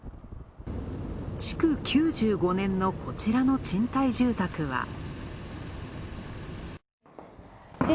築９５年のこちらの賃貸住宅は。